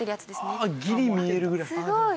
ギリ見えるぐらい。